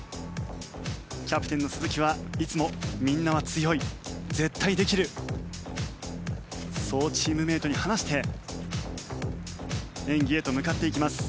キャプテンの鈴木はいつもみんなは強い絶対できるそうチームメートに話して演技へと向かっていきます。